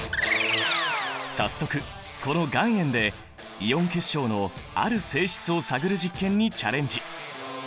早速この岩塩でイオン結晶のある性質を探る実験にチャレンジ！